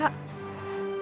ibu cemburu ya